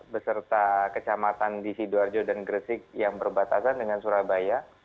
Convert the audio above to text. beserta kecamatan di sidoarjo dan gresik yang berbatasan dengan surabaya